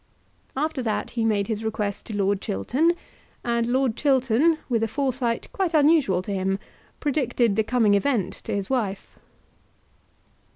After that he made his request to Lord Chiltern, and Lord Chiltern, with a foresight quite unusual to him, predicted the coming event to his wife.